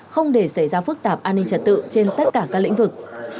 không để xảy ra phức tạp an ninh trật tự trên tất cả các lĩnh vực